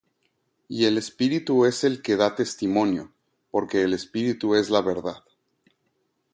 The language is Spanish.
Y el Espíritu es el que da testimonio: porque el Espírtiu es la verdad.